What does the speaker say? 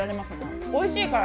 おいしい！